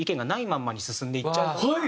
まんまに進んでいっちゃうから。